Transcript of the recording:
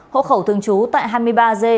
hộ khẩu thường trú tại hai mươi ba g